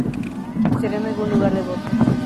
Será en algún lugar de Boston.